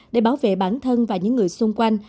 để bảo vệ bản thân và những người xung quanh